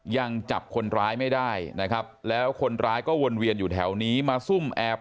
ยังจับคนร้ายไม่ได้นะครับแล้วคนร้ายก็วนเวียนอยู่แถวนี้มาซุ่มแอบ